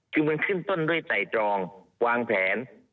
มันขึ้นต้นด้วยไตรตรองวางแผน